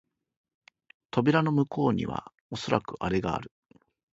扉の向こうにはおそらくアレがある